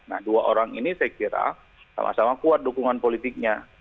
nah dua orang ini saya kira sama sama kuat dukungan politiknya